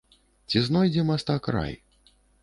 Ці знойдзе мастак рай?